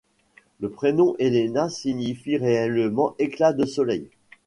Le prénom Elena signifie réellement éclat de soleil.